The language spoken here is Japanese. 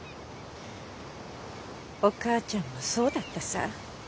お母ちゃんもそうだったさぁ。